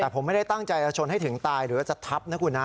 แต่ผมไม่ได้ตั้งใจจะชนให้ถึงตายหรือว่าจะทับนะคุณนะ